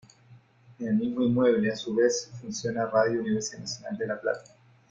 En el mismo inmueble, a su vez, funciona Radio Universidad Nacional de La Plata.